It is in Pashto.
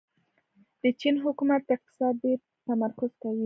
د چین حکومت په اقتصاد ډېر تمرکز کوي.